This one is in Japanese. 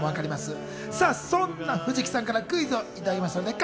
そんな藤木さんからクイズをいただきました。